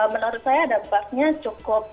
menurut saya dampaknya cukup